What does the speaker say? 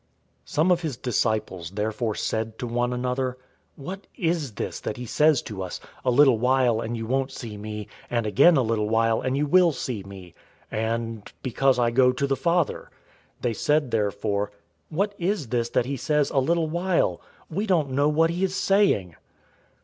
016:017 Some of his disciples therefore said to one another, "What is this that he says to us, 'A little while, and you won't see me, and again a little while, and you will see me;' and, 'Because I go to the Father?'" 016:018 They said therefore, "What is this that he says, 'A little while?' We don't know what he is saying."